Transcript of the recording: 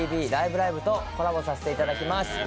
ライブ！」とコラボさせていただきます。